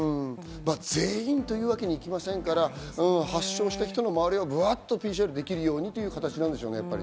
全員というわけにはいきませんから、発症した人の周りはブワっとＰＣＲできるようにという形になるでしょうね。